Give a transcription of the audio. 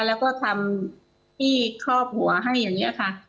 แล้วก็ทำที่ครอบหัวให้อย่างนี้ค่ะ